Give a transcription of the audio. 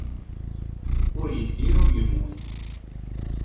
Ur yeddir ur yemmut.